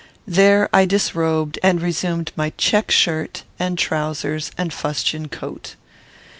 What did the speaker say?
There I disrobed, and resumed my check shirt, and trowsers, and fustian coat.